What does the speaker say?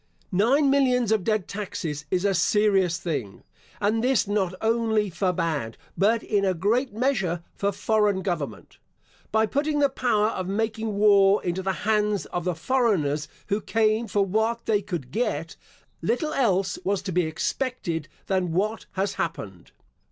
Nine millions of dead taxes is a serious thing; and this not only for bad, but in a great measure for foreign government. By putting the power of making war into the hands of the foreigners who came for what they could get, little else was to be expected than what has happened.